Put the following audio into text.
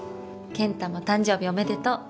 健太も誕生日おめでとう。